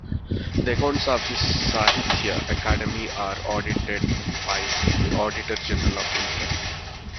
The accounts of the Sahitya Akademi are audited by the Auditor General of India.